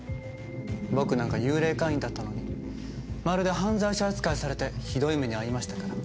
僕なんか幽霊会員だったのにまるで犯罪者扱いされてひどい目に遭いましたから。